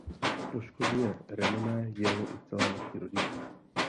Poškozuje renomé jeho i celé naší rodiny.